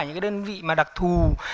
những cái đơn vị mà đặc thù